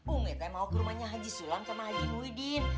umi saya mau ke rumahnya haji sulam sama haji nuhdin